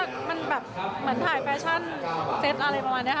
จริงว่ามันแบบถ่ายเฟชั่นเซ็ตอะไรประมาณนี้ค่ะ